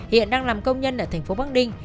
hiện đang làm công nhân ở thành phố bắc ninh